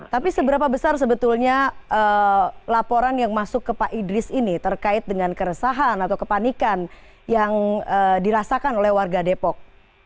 tapi seberapa besar sebetulnya laporan yang masuk ke pak idris ini terkait dengan keresahan atau kepanikan yang dirasakan oleh warga depok